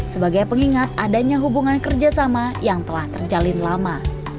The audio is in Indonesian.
sebagai pengingat adanya hubungan kerjasama yang telah terjalin lama